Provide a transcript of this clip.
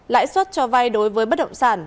lãi suất cho vay đối với bất động sản